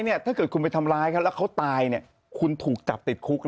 เนี้ยถ้าเกิดคุณไปทำร้ายเขาแล้วเขาตายเนี้ยคุณถูกจับ